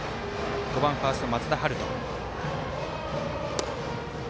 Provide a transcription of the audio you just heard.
５番ファースト、松田陽斗。